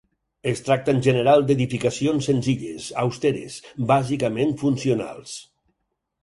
Es tracta, en general, d'edificacions senzilles, austeres, bàsicament funcionals.